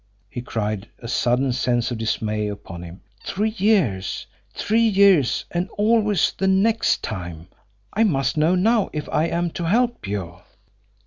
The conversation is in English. he cried, a sudden sense of dismay upon him. Three years! Three years and always the "next" time! "I must know now, if I am to help you!"